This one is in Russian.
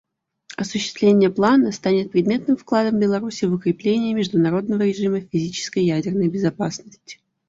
Осуществление плана станет предметным вкладом Беларуси в укрепление международного режима физической ядерной безопасности.